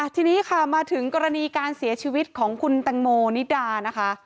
ทีนี้ค่ะมาถึงกรณีการเสียชีวิตของคุณแตงโมนิดานะคะ